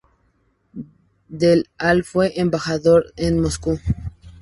Del al fue embajador en Moscú.